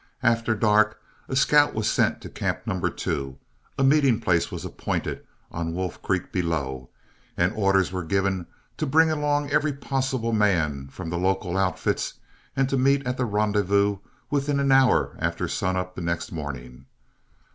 After dark, a scout was sent to Camp No. 2, a meeting place was appointed on Wolf Creek below, and orders were given to bring along every possible man from the local outfits and to meet at the rendezvous within an hour after sun up the next morning.